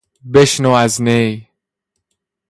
بشنو از نی....